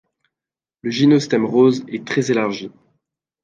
Le gynostème rose est très élargi.